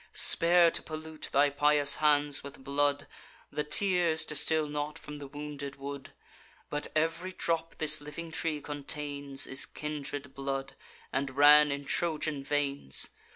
Spare to pollute thy pious hands with blood: The tears distil not from the wounded wood; But ev'ry drop this living tree contains Is kindred blood, and ran in Trojan veins.